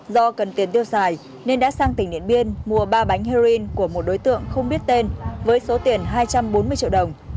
do cần tiền tiêu xài nên đã sang tỉnh điện biên mua ba bánh heroin của một đối tượng không biết tên với số tiền hai trăm bốn mươi triệu đồng